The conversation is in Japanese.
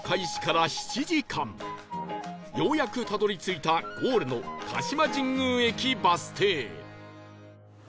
ようやくたどり着いたゴールの鹿島神宮駅バス停